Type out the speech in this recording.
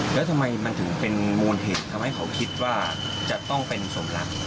แล้วทำไมมันถึงเป็นมูลเหตุทำให้เขาคิดว่าจะต้องเป็นสมรัก